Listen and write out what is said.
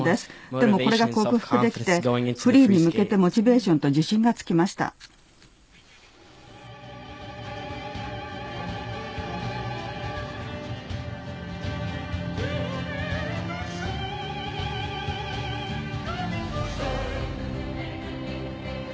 でもこれが克服できてフリーに向けてモチベーションと自信がこれぞ世界最高峰の戦い。